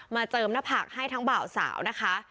เจิมหน้าผากให้ทั้งบ่าวสาวนะคะ